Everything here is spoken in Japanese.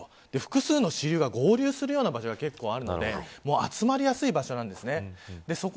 複数の支流が合流するような場所が結構あるので集まりやすい場所なんですね。